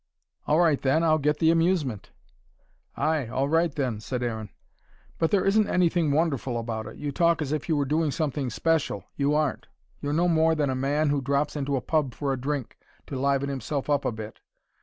"All right then, I'll get the amusement." "Ay, all right then," said Aaron. "But there isn't anything wonderful about it. You talk as if you were doing something special. You aren't. You're no more than a man who drops into a pub for a drink, to liven himself up a bit.